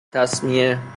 تسمیه